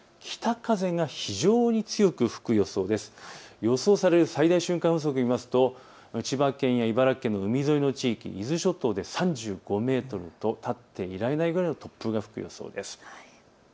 風速を見ると千葉県や茨城県の海沿いの地域、伊豆諸島で３５メートルと立っていられないぐらいの突風が吹く予想です。